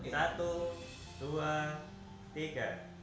satu dua tiga